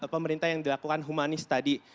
pemerintah yang dilakukan humanis tadi